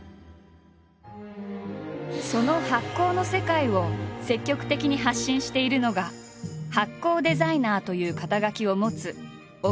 その発酵の世界を積極的に発信しているのが「発酵デザイナー」という肩書を持つ小倉ヒラク。